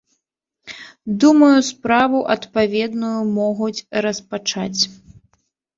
Думаю, справу адпаведную могуць распачаць.